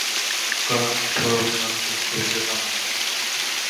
কারণ, ধর্মে মানুষের ছবি আঁকা মানা।